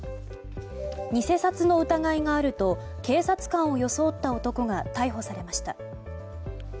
偽札の疑いがあると警察官を装った男が逮捕されました。